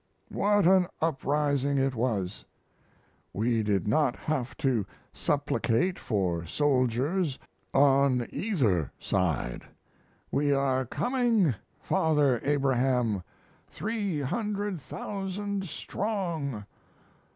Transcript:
What an uprising it was! We did not have to supplicate for soldiers on either side. "We are coming, Father Abraham, three hundred thousand strong!"